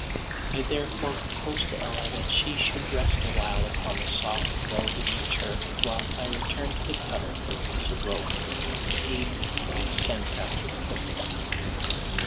I therefore proposed to Ella that she should rest awhile upon the soft, velvety turf, whilst I returned to the cutter for a piece of rope, to aid me in my ascent after the cocoa nuts.